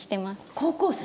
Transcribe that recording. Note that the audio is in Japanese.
高校生？